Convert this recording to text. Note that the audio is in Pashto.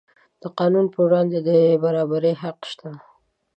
د قانون پر وړاندې د برابرۍ حق شته.